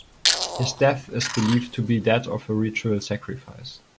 His death is believed to be that of a ritual sacrifice.